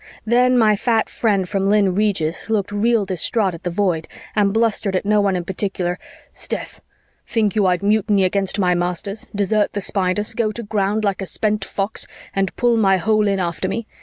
Then my fat friend from Lynn Regis looked real distraught at the Void and blustered at no one in particular, "'Sdeath, think you I'd mutiny against my masters, desert the Spiders, go to ground like a spent fox and pull my hole in after me?